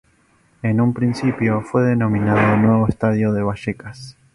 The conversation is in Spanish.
En un principio, fue denominado Nuevo Estadio de Vallecas.